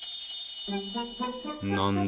何だ？